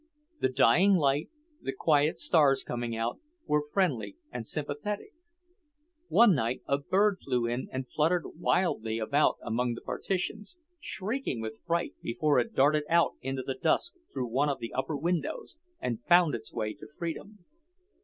The dying light, the quiet stars coming out, were friendly and sympathetic. One night a bird flew in and fluttered wildly about among the partitions, shrieking with fright before it darted out into the dusk through one of the upper windows and found its way to freedom.